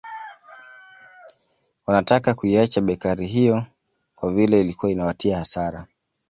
Wanataka kuiacha bekari hiyo kwa vile ilikuwa inawatia hasara